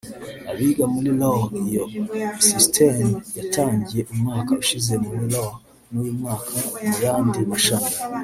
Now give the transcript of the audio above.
Abiga muri Law iyo system yatangiye umwaka ushize muri Law n’ uyu mwaka mu yandi mashami"